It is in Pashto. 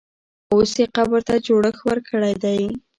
اوس یې قبر ته جوړښت ورکړی دی.